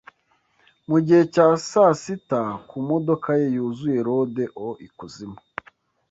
mugihe cya sasita kumodoka ye yuzuye Rode o' ikuzimu